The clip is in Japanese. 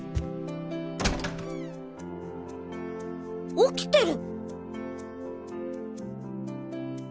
起きてる！